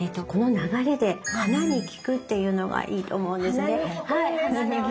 この流れで花に聞くっていうのがいいと思うんですね。